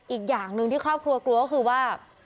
อีกอย่างหนึ่งที่ครอบครัวกลัวก็คือว่า